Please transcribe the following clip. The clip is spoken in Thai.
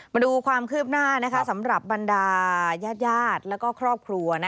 มาดูความคืบหน้าสำหรับบรรดายาดและครอบครัว